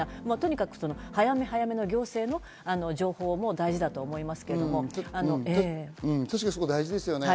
早め早めの行政の情報も大事だと思います。